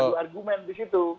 ada argumen di situ